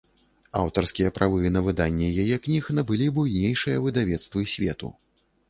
Аўтарскія правы на выданне яе кніг набылі буйнейшыя выдавецтвы свету.